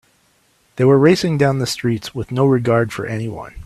They were racing down the streets with no regard for anyone.